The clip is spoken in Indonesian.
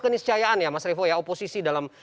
keniscayaan ya mas revo ya oposisi dalam